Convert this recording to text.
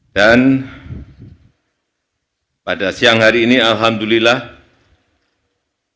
dan pada siang hari ini alhamdulillah setelah direkonstruksi direhabilitasi